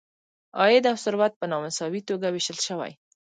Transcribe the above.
عاید او ثروت په نا مساوي توګه ویشل شوی.